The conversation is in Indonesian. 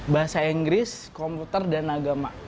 bahasa inggris komputer dan agama